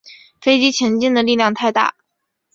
飞机前进的力量太大